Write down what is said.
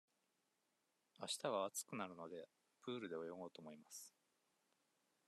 あしたは暑くなるので、プールで泳ごうと思います。